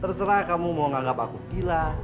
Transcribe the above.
terserah kamu mau nganggap aku gila